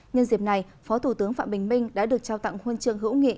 nhân dịp này phó thủ tướng phạm bình minh đã được trao tặng huân chương hữu nghị